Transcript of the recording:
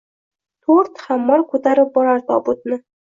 …To’rt hammol ko’tarib borar tobutni